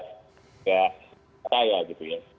tidak raya gitu ya